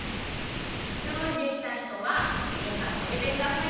よういできたひとはプリントはじめてください。